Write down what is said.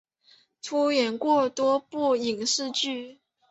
出演过多部影视剧。